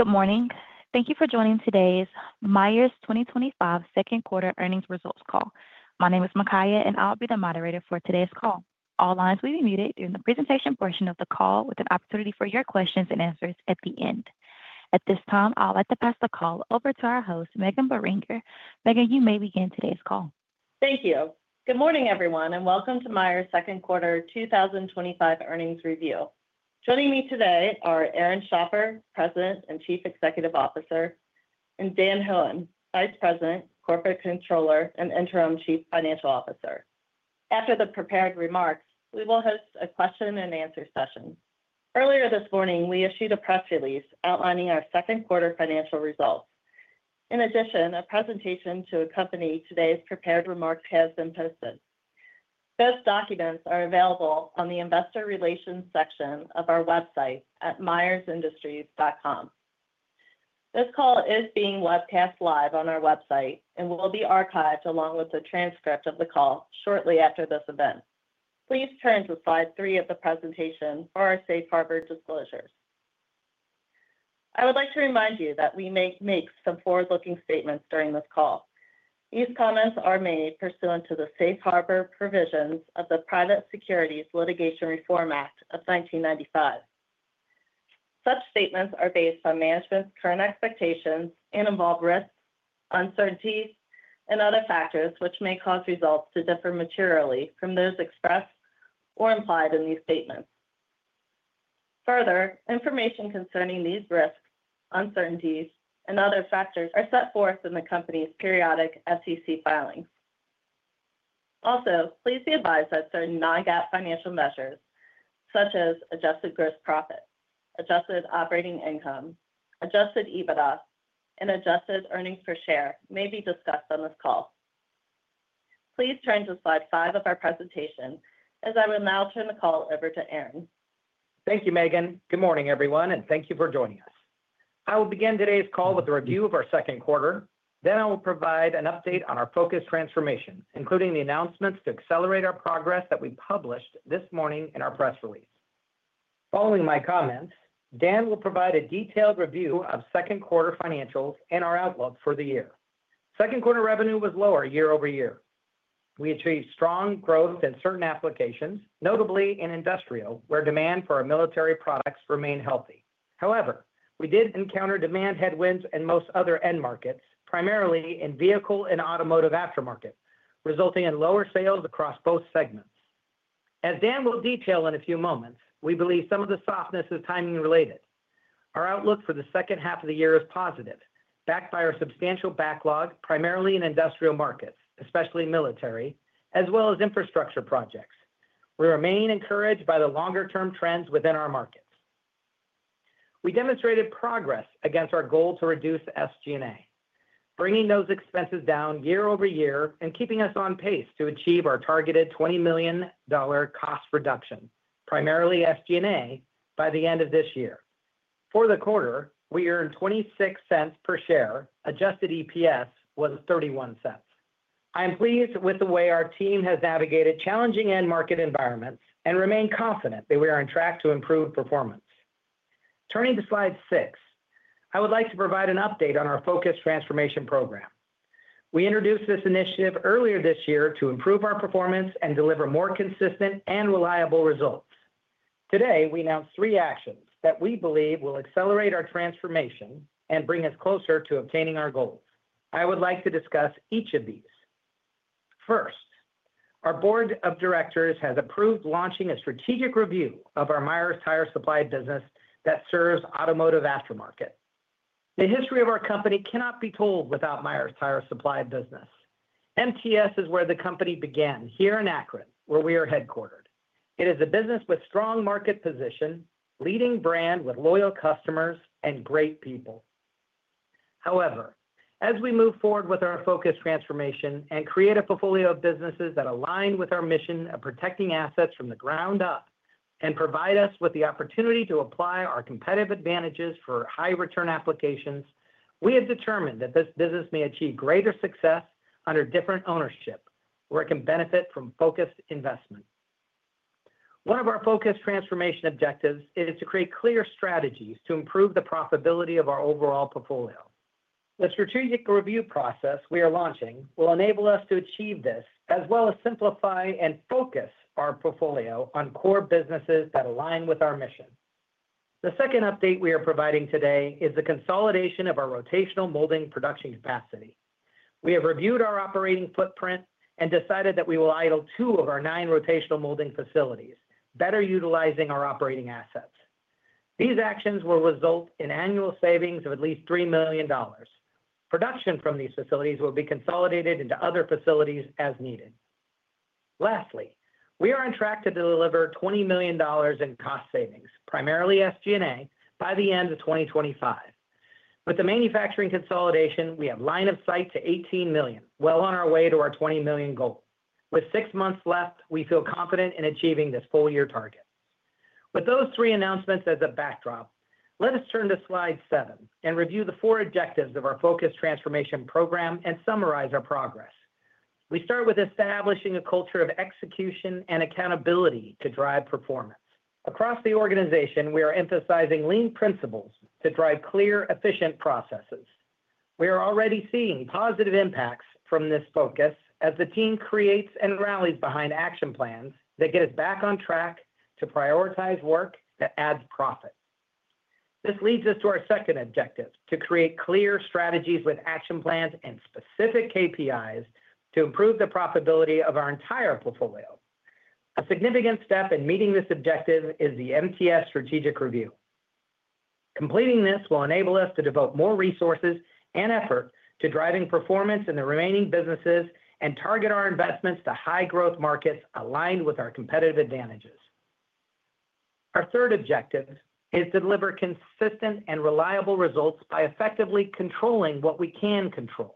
Good morning. Thank you for joining today's Myers 2025 second quarter earnings results call. My name is Makaya, and I'll be the moderator for today's call. All lines will be muted during the presentation portion of the call, with an opportunity for your questions and answers at the end. At this time, I'd like to pass the call over to our host, Meghan Beringer. Meghan, you may begin today's call. Thank you. Good morning, everyone, and welcome to Myers second quarter 2025 earnings review. Joining me today are Aaron Schapper, President and Chief Executive Officer, and Daniel Hoehn, Vice President, Corporate Controller, and Interim Chief Financial Officer. After the prepared remarks, we will host a question and answer session. Earlier this morning, we issued a press release outlining our second quarter financial results. In addition, a presentation to accompany today's prepared remarks has been posted. Those documents are available on the Investor Relations section of our website at MyersIndustries.com. This call is being webcast live on our website and will be archived along with a transcript of the call shortly after this event. Please turn to slide three of the presentation for our Safe Harbor disclosures. I would like to remind you that we make some forward-looking statements during this call. These comments are made pursuant to the Safe Harbor provisions of the Private Securities Litigation Reform Act of 1995. Such statements are based on management's current expectations and involve risks, uncertainties, and other factors which may cause results to differ materially from those expressed or implied in these statements. Further, information concerning these risks, uncertainties, and other factors are set forth in the company's periodic SEC filing. Also, please be advised that certain non-GAAP financial measures, such as adjusted gross profit, adjusted operating income, adjusted EBITDA, and adjusted earnings per share, may be discussed on this call. Please turn to slide five of our presentation, as I will now turn the call over to Aaron. Thank you, Meghan. Good morning, everyone, and thank you for joining us. I will begin today's call with a review of our second quarter. Then I will provide an update on our focus transformation, including the announcements to accelerate our progress that we published this morning in our press release. Following my comments, Dan will provide a detailed review of second quarter financials and our outlook for the year. Second quarter revenue was lower year over year. We achieved strong growth in certain applications, notably in industrial, where demand for our military products remained healthy. However, we did encounter demand headwinds in most other end markets, primarily in the vehicle and automotive aftermarket, resulting in lower sales across both segments. As Dan will detail in a few moments, we believe some of the softness is timing related. Our outlook for the second half of the year is positive, backed by our substantial backlog, primarily in industrial markets, especially military, as well as infrastructure projects. We remain encouraged by the longer-term trends within our markets. We demonstrated progress against our goal to reduce SG&A, bringing those expenses down year over year and keeping us on pace to achieve our targeted $20 million cost reduction, primarily SG&A, by the end of this year. For the quarter, we earned $0.26 per share. Adjusted EPS was $0.31. I am pleased with the way our team has navigated challenging end market environments and remain confident that we are on track to improve performance. Turning to slide six, I would like to provide an update on our focus transformation program. We introduced this initiative earlier this year to improve our performance and deliver more consistent and reliable results. Today, we announced three actions that we believe will accelerate our transformation and bring us closer to obtaining our goals. I would like to discuss each of these. First, our Board of Directors has approved launching a strategic review of our Myers Tire Supply business that serves the automotive aftermarket. The history of our company cannot be told without Myers Tire Supply business. MTS is where the company began, here in Akron, where we are headquartered. It is a business with a strong market position, a leading brand with loyal customers, and great people. However, as we move forward with our focus transformation and create a portfolio of businesses that align with our mission of protecting assets from the ground up and provide us with the opportunity to apply our competitive advantages for high-return applications, we have determined that this business may achieve greater success under different ownership, where it can benefit from focused investment. One of our focus transformation objectives is to create clear strategies to improve the profitability of our overall portfolio. The strategic review process we are launching will enable us to achieve this, as well as simplify and focus our portfolio on core businesses that align with our mission. The second update we are providing today is the consolidation of our rotational molding production capacity. We have reviewed our operating footprint and decided that we will idle two of our nine rotational molding facilities, better utilizing our operating assets. These actions will result in annual savings of at least $3 million. Production from these facilities will be consolidated into other facilities as needed. Lastly, we are on track to deliver $20 million in cost savings, primarily SG&A, by the end of 2025. With the manufacturing consolidation, we have line of sight to $18 million, well on our way to our $20 million goal. With six months left, we feel confident in achieving this full-year target. With those three announcements as a backdrop, let us turn to slide seven and review the four objectives of our focus transformation program and summarize our progress. We start with establishing a culture of execution and accountability to drive performance. Across the organization, we are emphasizing lean principles to drive clear, efficient processes. We are already seeing positive impacts from this focus as the team creates and rallies behind action plans that get us back on track to prioritize work that adds profit. This leads us to our second objective: to create clear strategies with action plans and specific KPIs to improve the profitability of our entire portfolio. A significant step in meeting this objective is the MTS strategic review. Completing this will enable us to devote more resources and effort to driving performance in the remaining businesses and target our investments to high-growth markets aligned with our competitive advantages. Our third objective is to deliver consistent and reliable results by effectively controlling what we can control.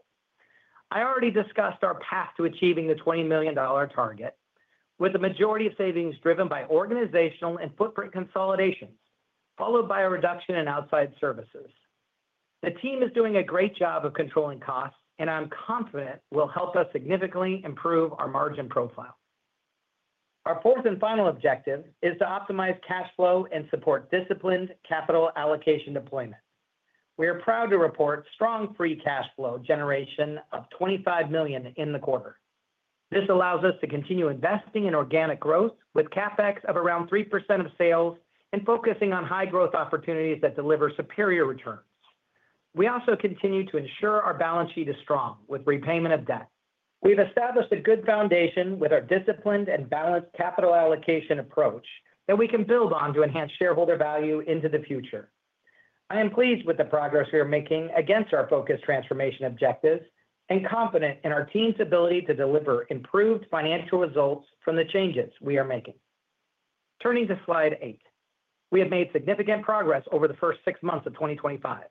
I already discussed our path to achieving the $20 million target, with the majority of savings driven by organizational and footprint consolidations, followed by a reduction in outside services. The team is doing a great job of controlling costs, and I'm confident it will help us significantly improve our margin profile. Our fourth and final objective is to optimize cash flow and support disciplined capital allocation deployment. We are proud to report strong free cash flow generation of $25 million in the quarter. This allows us to continue investing in organic growth with a CapEx of around 3% of sales and focusing on high-growth opportunities that deliver superior returns. We also continue to ensure our balance sheet is strong with repayment of debt. We've established a good foundation with our disciplined and balanced capital allocation approach that we can build on to enhance shareholder value into the future. I am pleased with the progress we are making against our focus transformation objectives and confident in our team's ability to deliver improved financial results from the changes we are making. Turning to slide eight, we have made significant progress over the first six months of 2025.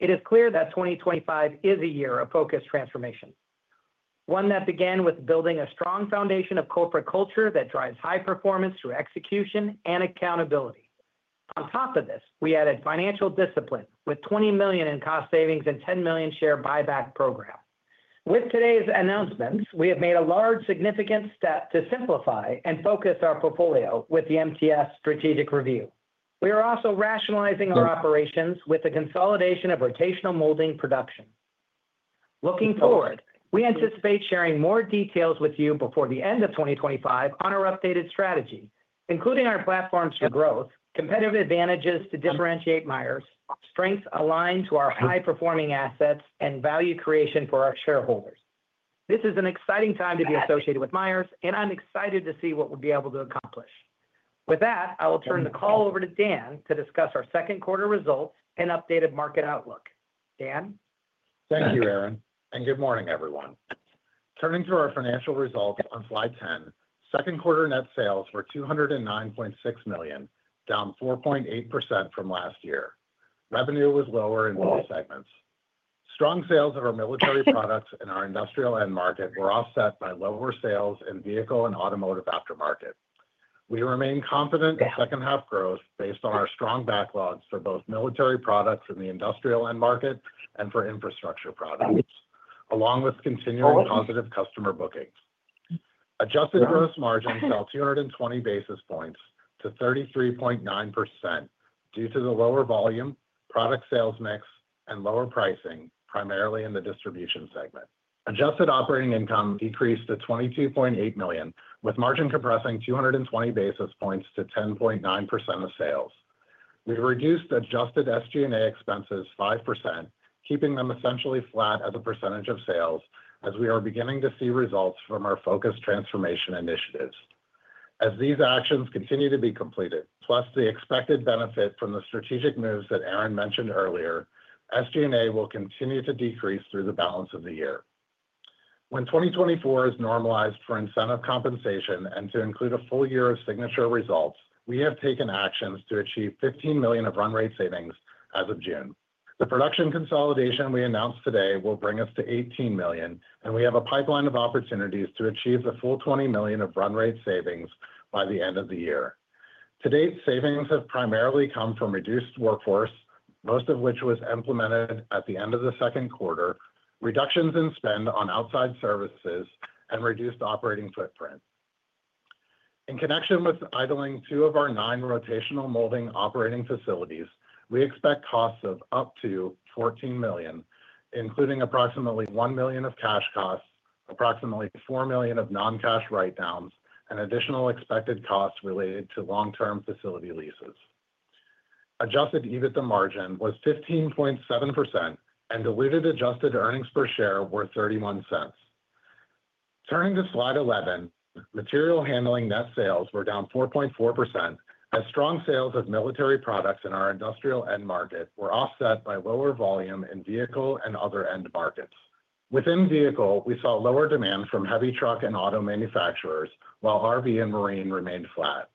It is clear that 2025 is a year of focused transformation, one that began with building a strong foundation of corporate culture that drives high performance through execution and accountability. On top of this, we added financial discipline with $20 million in cost savings and a $10 million share buyback program. With today's announcements, we have made a large significant step to simplify and focus our portfolio with the MTS strategic review. We are also rationalizing our operations with the consolidation of rotational molding production. Looking forward, we anticipate sharing more details with you before the end of 2025 on our updated strategy, including our platforms for growth, competitive advantages to differentiate Myers Industries, strengths aligned to our high-performing assets, and value creation for our shareholders. This is an exciting time to be associated with Myers Industries, and I'm excited to see what we'll be able to accomplish. With that, I will turn the call over to Dan to discuss our second quarter results and updated market outlook. Dan? Thank you, Aaron, and good morning, everyone. Turning to our financial results on slide ten, second quarter net sales were $209.6 million, down 4.8% from last year. Revenue was lower in all segments. Strong sales of our military products and our industrial end market were offset by lower sales in the vehicle and automotive aftermarket. We remain confident in second-half growth based on our strong backlogs for both military products in the industrial end market and for infrastructure products, along with continuing positive customer bookings. Adjusted gross margins fell 220 basis points to 33.9% due to the lower volume, product sales mix, and lower pricing, primarily in the distribution segment. Adjusted operating income decreased to $22.8 million, with margin compressing 220 basis points to 10.9% of sales. We reduced the adjusted SG&A expenses 5%, keeping them essentially flat as a percentage of sales, as we are beginning to see results from our focus transformation initiatives. As these actions continue to be completed, plus the expected benefit from the strategic moves that Aaron mentioned earlier, SG&A will continue to decrease through the balance of the year. When 2024 is normalized for incentive compensation and to include a full year of Signature results, we have taken actions to achieve $15 million of run rate savings as of June. The production consolidation we announced today will bring us to $18 million, and we have a pipeline of opportunities to achieve the full $20 million of run rate savings by the end of the year. To date, savings have primarily come from reduced workforce, most of which was implemented at the end of the second quarter, reductions in spend on outside services, and reduced operating footprint. In connection with idling two of our nine rotational molding operating facilities, we expect costs of up to $14 million, including approximately $1 million of cash costs, approximately $4 million of non-cash write-downs, and additional expected costs related to long-term facility leases. Adjusted EBITDA margin was 15.7%, and diluted adjusted earnings per share were $0.31. Turning to slide 11, material handling net sales were down 4.4%, as strong sales of military products in our industrial end market were offset by lower volume in vehicle and other end markets. Within vehicle, we saw lower demand from heavy truck and auto manufacturers, while RV and marine remained flat.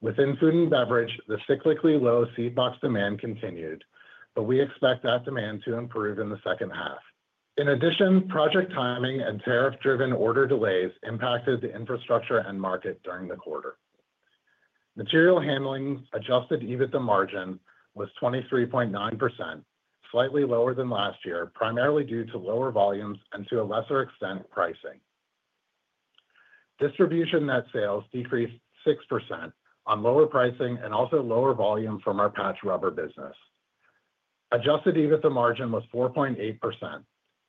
Within food and beverage, the cyclically low seed box demand continued, but we expect that demand to improve in the second half. In addition, project timing and tariff-driven order delays impacted the infrastructure end market during the quarter. Material handling adjusted EBITDA margin was 23.9%, slightly lower than last year, primarily due to lower volumes and, to a lesser extent, pricing. Distribution net sales decreased 6% on lower pricing and also lower volume from our Patch Rubber business. Adjusted EBITDA margin was 4.8%.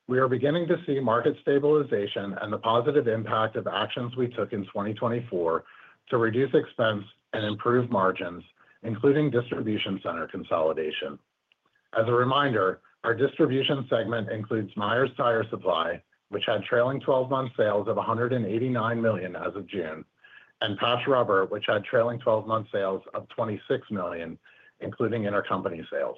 We are beginning to see market stabilization and the positive impact of actions we took in 2024 to reduce expense and improve margins, including distribution center consolidation. As a reminder, our distribution segment includes Myers Tire Supply, which had trailing 12-month sales of $189 million as of June, and Patch Rubber, which had trailing 12-month sales of $26 million, including intercompany sales.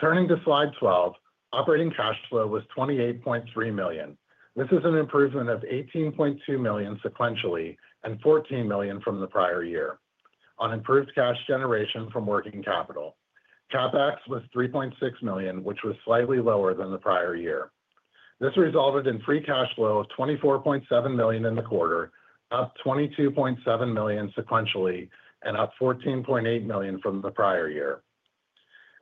Turning to slide 12, operating cash flow was $28.3 million. This is an improvement of $18.2 million sequentially and $14 million from the prior year on improved cash generation from working capital. CapEx was $3.6 million, which was slightly lower than the prior year. This resulted in free cash flow of $24.7 million in the quarter, up $22.7 million sequentially, and up $14.8 million from the prior year.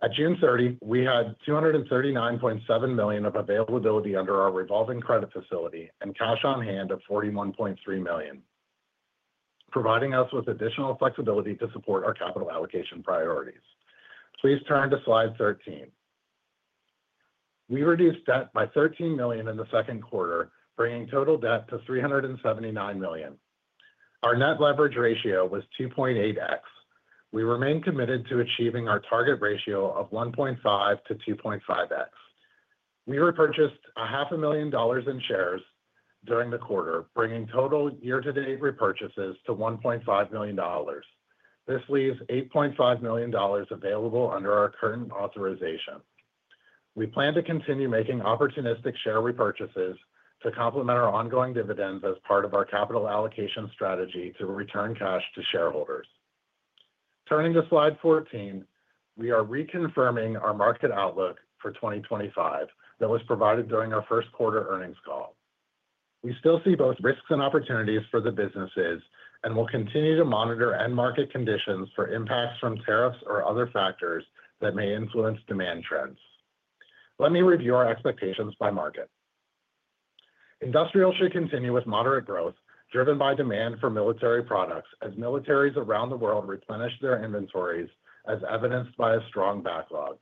At June 30, we had $239.7 million of availability under our revolving credit facility and cash on hand of $41.3 million, providing us with additional flexibility to support our capital allocation priorities. Please turn to slide 13. We reduced debt by $13 million in the second quarter, bringing total debt to $379 million. Our net leverage ratio was 2.8x. We remain committed to achieving our target ratio of 1.5 to 2.5x. We repurchased a half a million dollars in shares during the quarter, bringing total year-to-date repurchases to $1.5 million. This leaves $8.5 million available under our current authorization. We plan to continue making opportunistic share repurchases to complement our ongoing dividends as part of our capital allocation strategy to return cash to shareholders. Turning to slide 14, we are reconfirming our market outlook for 2025 that was provided during our first quarter earnings call. We still see both risks and opportunities for the businesses and will continue to monitor end market conditions for impacts from tariffs or other factors that may influence demand trends. Let me review our expectations by market. Industrial should continue with moderate growth driven by demand for military products as militaries around the world replenish their inventories, as evidenced by a strong backlog.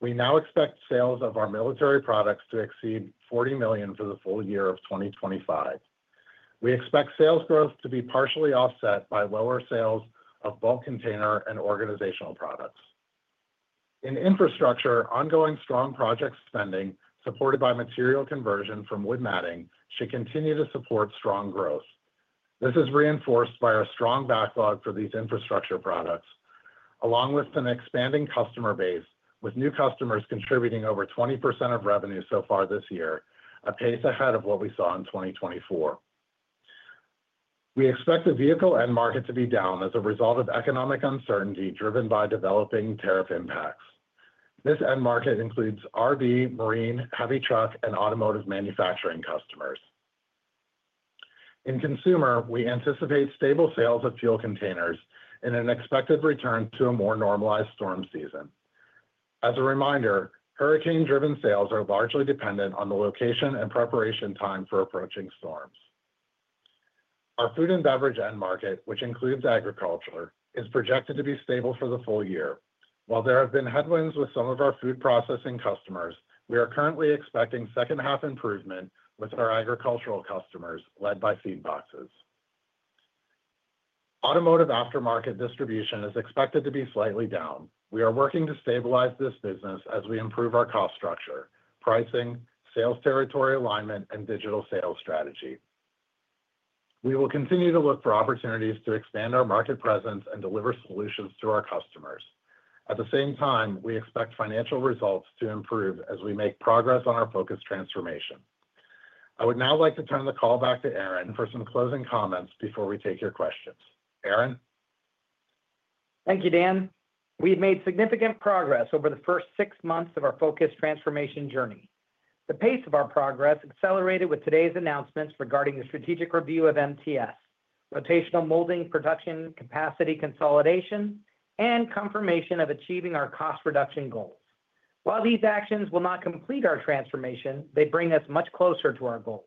We now expect sales of our military products to exceed $40 million for the full year of 2025. We expect sales growth to be partially offset by lower sales of bulk container and organizational products. In infrastructure, ongoing strong project spending supported by material conversion from wood matting should continue to support strong growth. This is reinforced by our strong backlog for these infrastructure products, along with an expanding customer base, with new customers contributing over 20% of revenue so far this year, a pace ahead of what we saw in 2024. We expect the vehicle end market to be down as a result of economic uncertainty driven by developing tariff impacts. This end market includes RV, marine, heavy truck, and automotive manufacturing customers. In consumer, we anticipate stable sales of fuel containers and an expected return to a more normalized storm season. As a reminder, hurricane-driven sales are largely dependent on the location and preparation time for approaching storms. Our food and beverage end market, which includes agriculture, is projected to be stable for the full year. While there have been headwinds with some of our food processing customers, we are currently expecting second-half improvement with our agricultural customers led by seed boxes. Automotive aftermarket distribution is expected to be slightly down. We are working to stabilize this business as we improve our cost structure, pricing, sales territory alignment, and digital sales strategy. We will continue to look for opportunities to expand our market presence and deliver solutions to our customers. At the same time, we expect financial results to improve as we make progress on our focus transformation. I would now like to turn the call back to Aaron for some closing comments before we take your questions. Aaron? Thank you, Dan. We have made significant progress over the first six months of our focus transformation journey. The pace of our progress accelerated with today's announcements regarding the strategic review of MTS, rotational molding production capacity consolidation, and confirmation of achieving our cost reduction goals. While these actions will not complete our transformation, they bring us much closer to our goals.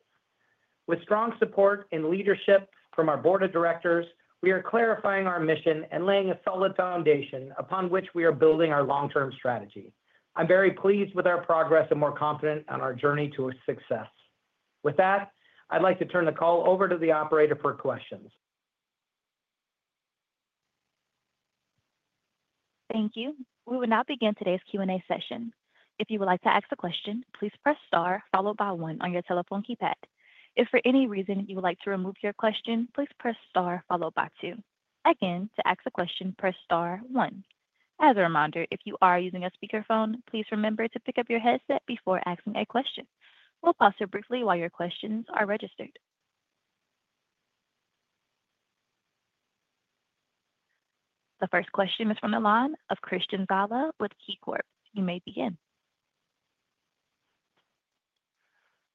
With strong support and leadership from our Board of Directors, we are clarifying our mission and laying a solid foundation upon which we are building our long-term strategy. I'm very pleased with our progress and more confident on our journey towards success. With that, I'd like to turn the call over to the operator for questions. Thank you. We will now begin today's Q&A session. If you would like to ask a question, please press star followed by one on your telephone keypad. If for any reason you would like to remove your question, please press star followed by two. Again, to ask a question, press star one. As a reminder, if you are using a speakerphone, please remember to pick up your headset before asking a question. We'll pause here briefly while your questions are registered. The first question is from the line of Christian Gala with KeyCorp. You may begin.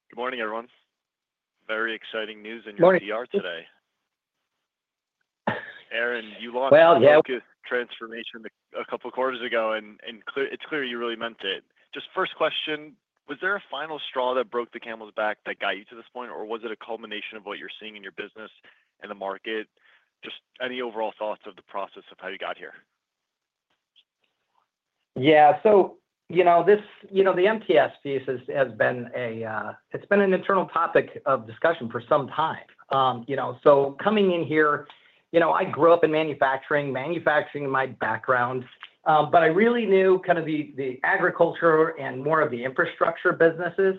Good morning, everyone. Very exciting news in your PR today. Aaron, you launched the focus transformation a couple of quarters ago, and it's clear you really meant it. First question, was there a final straw that broke the camel's back that got you to this point, or was it a culmination of what you're seeing in your business and the market? Any overall thoughts of the process of how you got here? Yeah, so you know the MTS piece has been an internal topic of discussion for some time. Coming in here, I grew up in manufacturing, manufacturing in my background, but I really knew kind of the agriculture and more of the infrastructure businesses.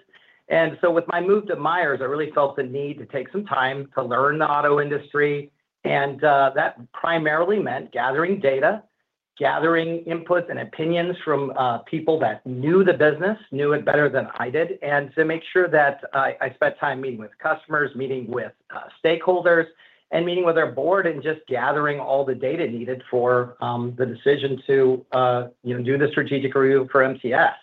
With my move to Myers, I really felt the need to take some time to learn the auto industry, and that primarily meant gathering data, gathering input and opinions from people that knew the business, knew it better than I did, and to make sure that I spent time meeting with customers, meeting with stakeholders, and meeting with our board and just gathering all the data needed for the decision to do the strategic review for MTS.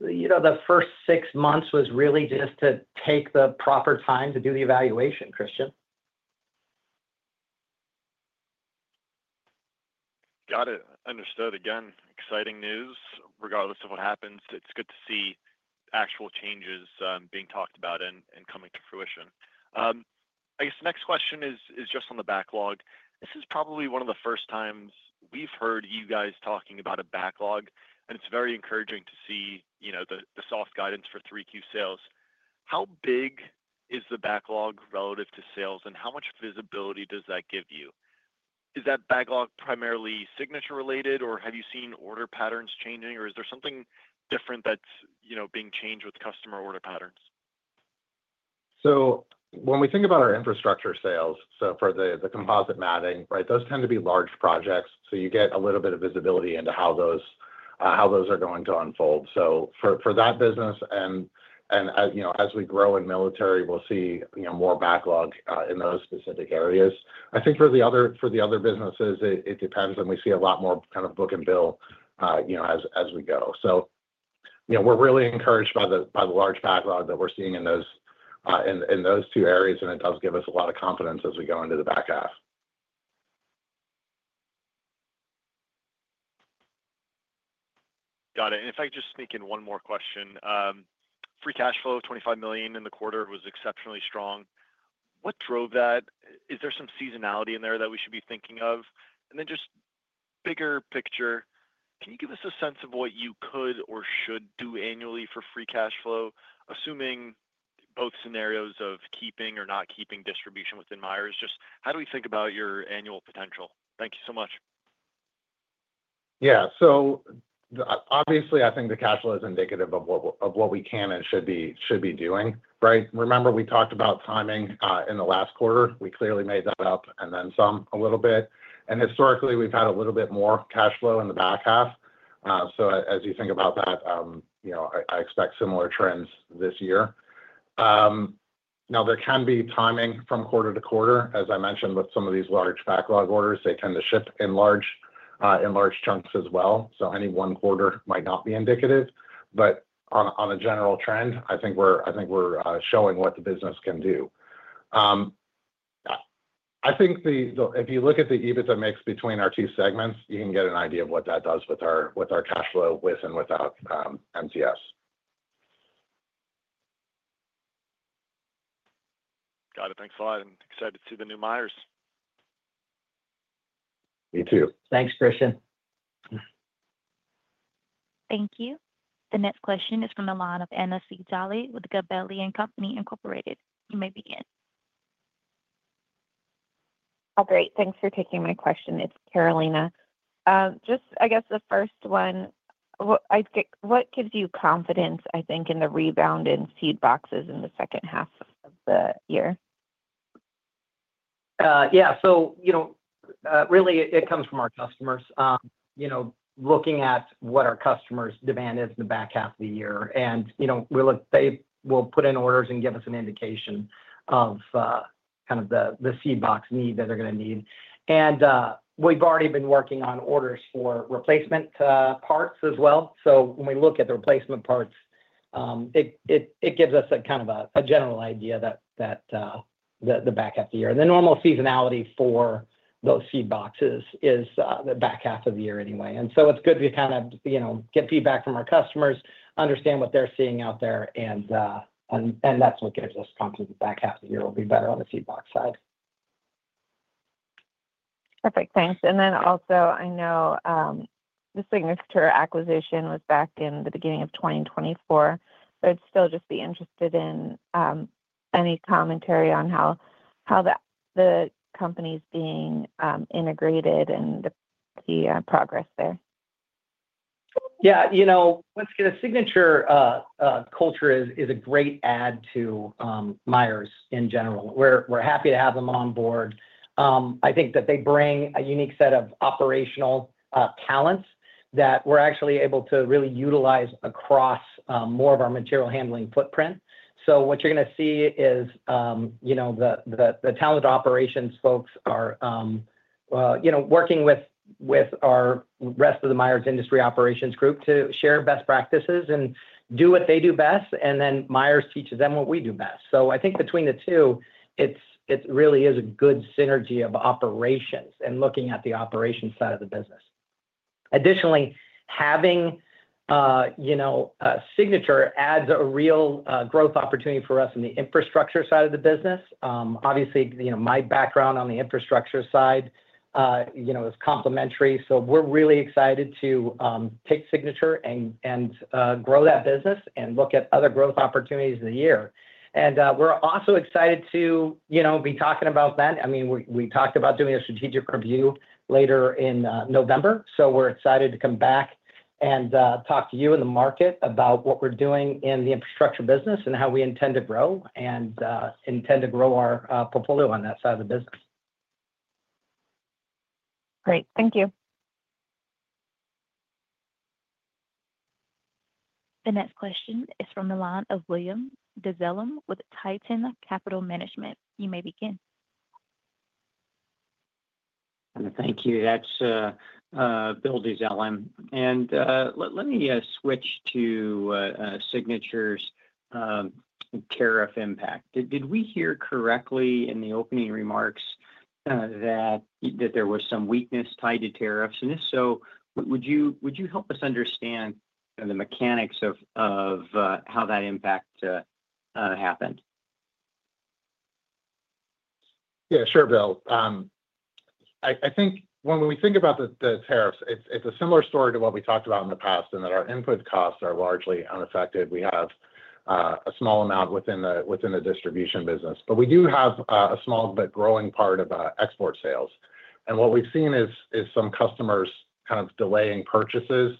The first six months was really just to take the proper time to do the evaluation, Christian. Got it. Understood. Again, exciting news. Regardless of what happens, it's good to see actual changes being talked about and coming to fruition. I guess the next question is just on the backlog. This is probably one of the first times we've heard you guys talking about a backlog, and it's very encouraging to see, you know, the soft guidance for 3Q sales. How big is the backlog relative to sales, and how much visibility does that give you? Is that backlog primarily Signature related, or have you seen order patterns changing, or is there something different that's, you know, being changed with customer order patterns? When we think about our infrastructure sales, for the composite matting, those tend to be large projects, so you get a little bit of visibility into how those are going to unfold. For that business, and as we grow in military, we'll see more backlog in those specific areas. I think for the other businesses, it depends, and we see a lot more kind of book and bill as we go. We're really encouraged by the large backlog that we're seeing in those two areas, and it does give us a lot of confidence as we go into the back half. Got it. If I could just sneak in one more question. Free cash flow, $25 million in the quarter was exceptionally strong. What drove that? Is there some seasonality in there that we should be thinking of? Just bigger picture, can you give us a sense of what you could or should do annually for free cash flow, assuming both scenarios of keeping or not keeping distribution within Myers? Just how do we think about your annual potential? Thank you so much. Yeah, so obviously I think the cash flow is indicative of what we can and should be doing, right? Remember we talked about timing in the last quarter. We clearly made that up and then some a little bit. Historically, we've had a little bit more cash flow in the back half. As you think about that, I expect similar trends this year. There can be timing from quarter to quarter. As I mentioned with some of these large backlog orders, they tend to ship in large chunks as well. Any one quarter might not be indicative, but on a general trend, I think we're showing what the business can do. I think if you look at the EBITDA mix between our two segments, you can get an idea of what that does with our cash flow with and without MTS. Got it. Thanks a lot. Excited to see the new Myers Industries. Me too. Thanks, Christian. Thank you. The next question is from the line of Anna Szczepaniak with Gabelli & Company Incorporated. You may begin. Great, thanks for taking my question. It's Carolina. Just, I guess the first one, what gives you confidence, I think, in the rebound in seed boxes in the second half of the year? Yeah, it really comes from our customers. Looking at what our customers' demand is in the back half of the year, we look, they will put in orders and give us an indication of the seed box need that they're going to need. We've already been working on orders for replacement parts as well. When we look at the replacement parts, it gives us a general idea for the back half of the year. The normal seasonality for those seed boxes is the back half of the year anyway. It's good to get feedback from our customers, understand what they're seeing out there, and that's what gives us confidence the back half of the year will be better on the seed box side. Perfect. Thanks. I know the Signature acquisition was back in the beginning of 2024, but I'd still just be interested in any commentary on how the company's being integrated and the progress there. Yeah, you know, the Signature culture is a great add to Myers in general. We're happy to have them on board. I think that they bring a unique set of operational talents that we're actually able to really utilize across more of our material handling footprint. What you're going to see is the talented operations folks are working with the rest of the Myers Industries Operations Group to share best practices and do what they do best, and then Myers teaches them what we do best. I think between the two, it really is a good synergy of operations and looking at the operations side of the business. Additionally, having Signature adds a real growth opportunity for us in the infrastructure side of the business. Obviously, my background on the infrastructure side is complementary. We're really excited to take Signature and grow that business and look at other growth opportunities of the year. We're also excited to be talking about that. I mean, we talked about doing a strategic review later in November. We're excited to come back and talk to you and the market about what we're doing in the infrastructure business and how we intend to grow and intend to grow our portfolio on that side of the business. Great. Thank you. The next question is from William Dezellem with Titan Capital Management. You may begin. Thank you. That's Bill Dezellem. Let me switch to Signature and tariff impact. Did we hear correctly in the opening remarks that there was some weakness tied to tariffs? If so, would you help us understand the mechanics of how that impact happened? Yeah, sure, Bill. I think when we think about the tariffs, it's a similar story to what we talked about in the past in that our input costs are largely unaffected. We have a small amount within the distribution business. We do have a small but growing part of export sales. What we've seen is some customers kind of delaying purchases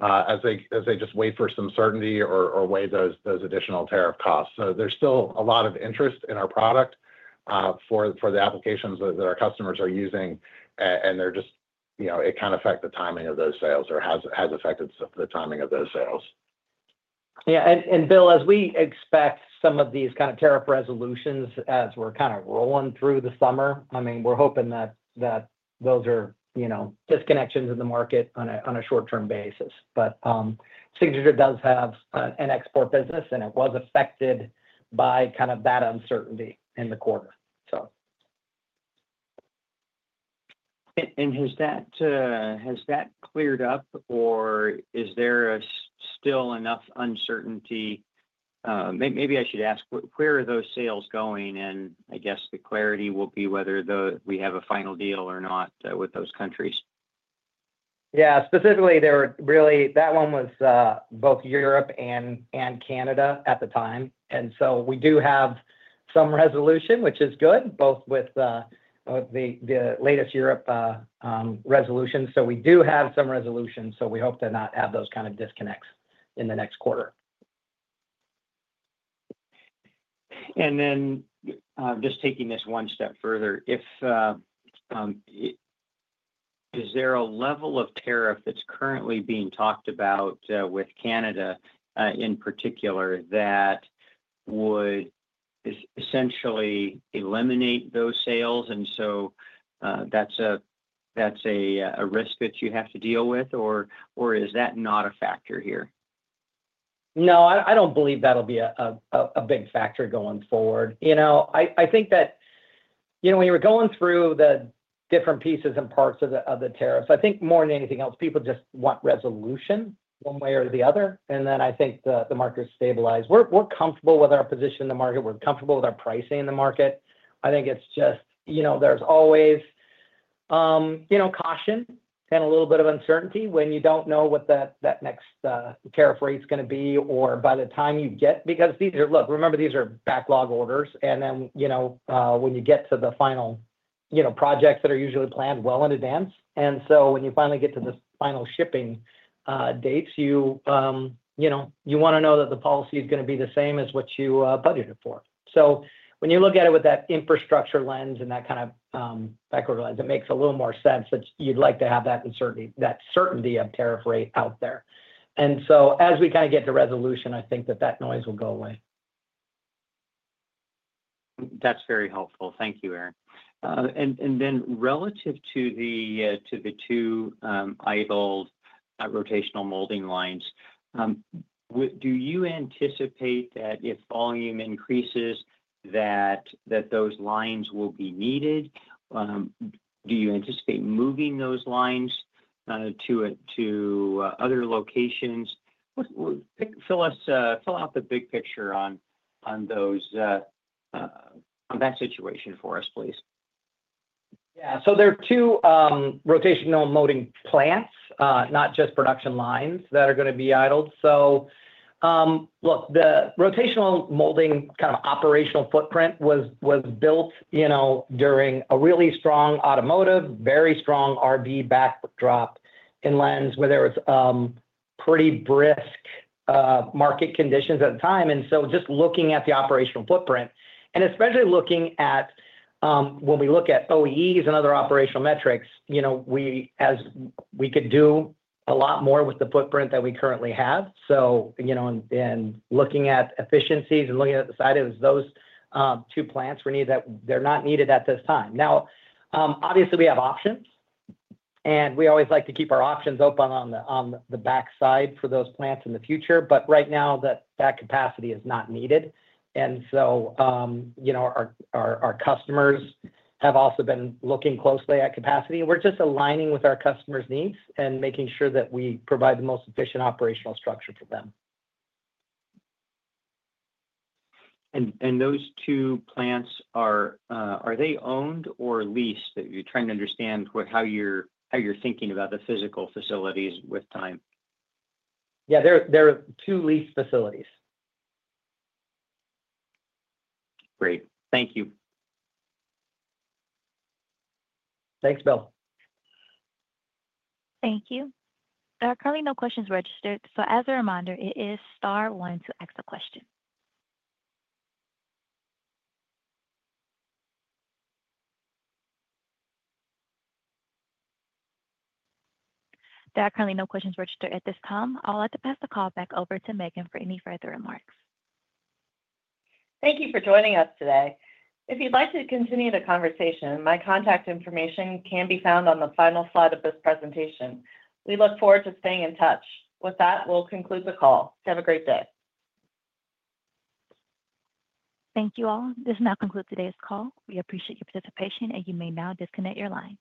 as they just wait for some certainty or wait those additional tariff costs. There is still a lot of interest in our product for the applications that our customers are using, and they're just, you know, it can affect the timing of those sales or has affected the timing of those sales. Yeah, and Bill, as we expect some of these kind of tariff resolutions as we're kind of rolling through the summer, we're hoping that those are disconnections in the market on a short-term basis. Signature does have an export business, and it was affected by that uncertainty in the quarter. Has that cleared up, or is there still enough uncertainty? Maybe I should ask, where are those sales going? I guess the clarity will be whether we have a final deal or not with those countries. Specifically, that one was both Europe and Canada at the time. We do have some resolution, which is good, both with the latest Europe resolution. We do have some resolution, so we hope to not have those kind of disconnects in the next quarter. Taking this one step further, is there a level of tariff that's currently being talked about with Canada in particular that would essentially eliminate those sales? Is that a risk that you have to deal with, or is that not a factor here? No, I don't believe that'll be a big factor going forward. When you were going through the different pieces and parts of the tariffs, I think more than anything else, people just want resolution one way or the other. I think the market is stabilized. We're comfortable with our position in the market. We're comfortable with our pricing in the market. There's always caution and a little bit of uncertainty when you don't know what that next tariff rate is going to be or by the time you get, because these are, look, remember these are backlog orders. When you get to the final projects that are usually planned well in advance, when you finally get to the final shipping dates, you want to know that the policy is going to be the same as what you budgeted for. When you look at it with that infrastructure lens and that kind of backorder lens, it makes a little more sense that you'd like to have that certainty of tariff rate out there. As we get to resolution, I think that noise will go away. That's very helpful. Thank you, Aaron. Relative to the two idled rotational molding lines, do you anticipate that if volume increases, those lines will be needed? Do you anticipate moving those lines to other locations? Fill us, fill out the big picture on those, on that situation for us, please. Yeah, there are two rotational molding plants, not just production lines that are going to be idled. The rotational molding kind of operational footprint was built during a really strong automotive, very strong RV backdrop in lens, whether it's pretty brisk market conditions at the time. Just looking at the operational footprint, and especially looking at when we look at OEEs and other operational metrics, we could do a lot more with the footprint that we currently have. In looking at efficiencies and looking at the side of those two plants, we need that they're not needed at this time. Obviously, we have options, and we always like to keep our options open on the backside for those plants in the future. Right now, that capacity is not needed. Our customers have also been looking closely at capacity. We're just aligning with our customers' needs and making sure that we provide the most efficient operational structure for them. Those two plants, are they owned or leased? You're trying to understand how you're thinking about the physical facilities with time. Yeah, they're two leased facilities. Great. Thank you. Thanks, Bill. Thank you. There are currently no questions registered. As a reminder, it is star one to ask a question. There are currently no questions registered at this time. I'd like to pass the call back over to Meghan for any further remarks. Thank you for joining us today. If you'd like to continue the conversation, my contact information can be found on the final slide of this presentation. We look forward to staying in touch. With that, we'll conclude the call. Have a great day. Thank you all. This now concludes today's call. We appreciate your participation, and you may now disconnect your line.